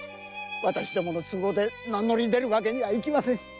私どもの都合で名乗り出るわけにはいきません！